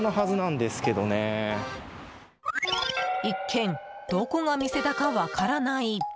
一見どこが店だか分からない。